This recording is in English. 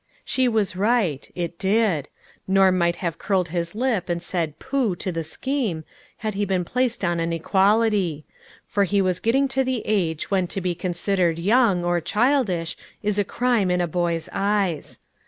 She was right, it did. Norm might have curled his lip and said " pooh " to the scheme, had he been placed on an equality ; for he was getting to the age when to be considered young, or childish, is a crime in a boy's eyes.